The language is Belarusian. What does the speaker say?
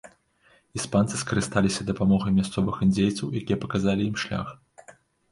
Іспанцы скарысталіся дапамогай мясцовых індзейцаў, якія паказалі ім шлях.